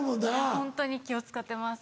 ホントに気を使ってます。